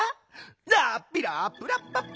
「ラッピラップラッパッパ」